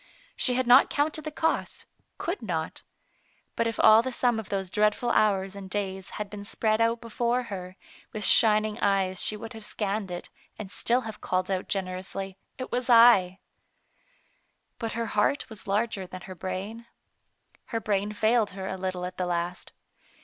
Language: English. She had not counted the cost, could not. But if all the sum of those dreadful hours and days had been spread out before her, with shining eyes she would have scanned it, and still have called out generously, " It was I." But her heart was larger than her brain. Her brain failed her a little at the last.